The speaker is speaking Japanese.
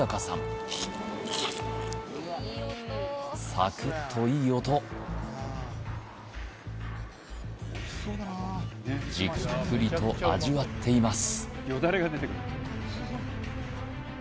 サクッといい音じっくりと味わっています